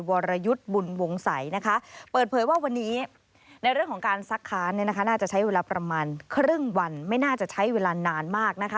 วลยุษย์บุฎวงสัยนะคะ